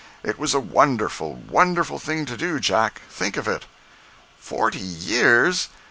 It was a wonderful, wonderful thing to do, Jack! Think of it!" "Forty years?